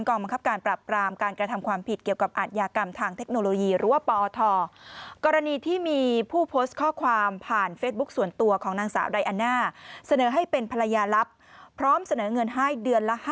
กองบังคับการปรับกรามการกระทำความผิด